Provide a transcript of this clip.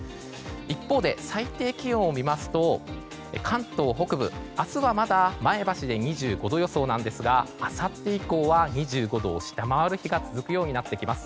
一方で最低気温を見ますと関東北部、明日はまだ前橋で２５度予想なんですがあさって以降は２５度を下回る日が続くようになってきます。